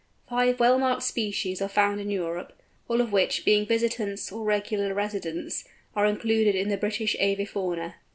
Five well marked species are found in Europe, all of which, being visitants or regular residents, are included in the British avifauna.